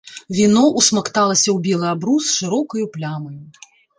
Віно ўсмакталася ў белы абрус шырокаю плямаю.